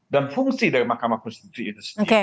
dan fungsi dari mahkamah konstitusi itu sendiri